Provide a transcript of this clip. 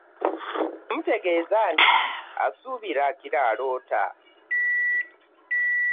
Yamutegeeza nti asubiira akira aloota .